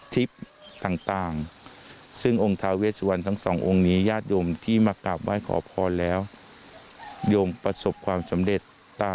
ที่แข่งโภคงาผมเอ่ยรอบแอบดูข้างศักดิ์